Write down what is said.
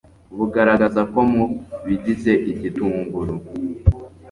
bugaragaza ko mu bigize igitunguru